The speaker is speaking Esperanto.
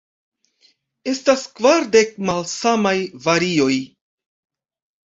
Estas kvardek malsamaj varioj.